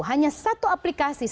hanya satu aplikasi